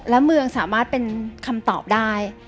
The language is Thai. แล้วเมืองสามารถเป็นคำตอบได้